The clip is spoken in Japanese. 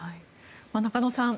中野さん